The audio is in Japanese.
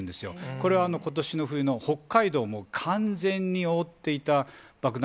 これはことしの冬の、北海道をもう完全に覆っていた爆弾